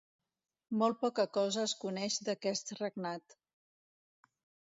Molt poca cosa es coneix d'aquest regnat.